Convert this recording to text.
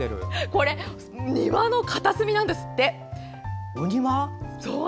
庭の片隅なんですって。